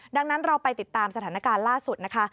ดังนั้นเราไปติดตามสถานการณ์ล่าสุดนะคะ